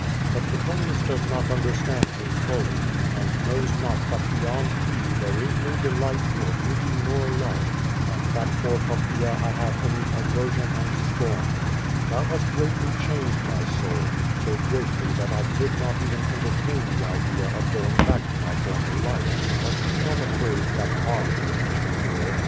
But Petron ius does not understand me fully, and knows not that beyond thee there is no delight nor beauty nor love, and that for Pop paea I have only aversion and scorn. Thou hast greatly changed my soul — so greatly that I could not even entertain the idea of going back to my former life. But be not afraid that harm may reach me here.